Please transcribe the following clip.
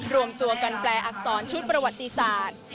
รวมตัวกันแปลอักษรชุดประวัติศาสตร์